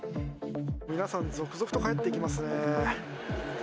皆さん、続々と帰っていきますね。